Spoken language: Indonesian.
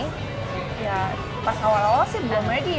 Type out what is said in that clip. ya pas awal awal sih belum ready ya